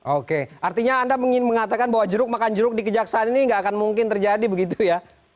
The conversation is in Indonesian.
oke artinya anda mengatakan bahwa jeruk makan jeruk di kejaksaan ini nggak akan mungkin terjadi begitu ya